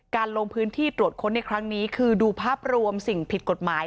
ลงพื้นที่ตรวจค้นในครั้งนี้คือดูภาพรวมสิ่งผิดกฎหมาย